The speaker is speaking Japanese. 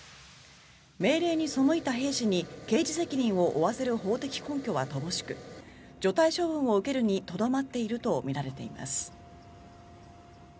命令に背いた兵士に刑事責任を負わせる法的根拠は乏しく除隊処分を受けるにとどまっているとみられています。